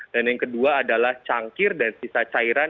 dan yang kedua adalah cangkir dan sisa cairan